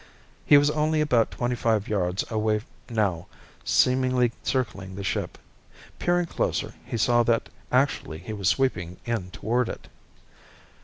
He was only about twenty five yards away now, seemingly circling the ship. Peering closer, he saw that actually he was sweeping in toward it.